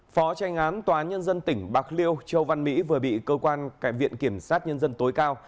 phó tranh án tòa nhân dân tỉnh bạc liêu châu văn mỹ vừa bị cơ quan viện kiểm sát nhân dân tối cao